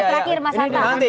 oke terakhir mas anta